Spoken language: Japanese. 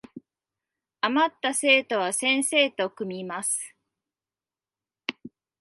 あまった生徒は先生と組みます